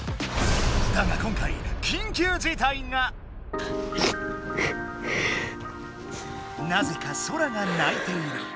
だが今回なぜかソラがないている。